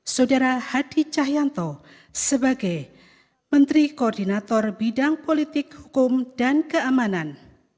saudara hadi cahyanto sebagai menteri koordinator bidang politik hukum dan keamanan